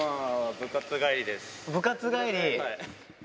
部活帰り？